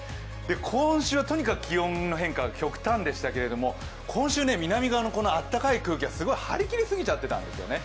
今週はとにかく気温の変化が極端でしたけれども今週、南側の暖かい空気が張り切りすぎちゃっていたんですよね。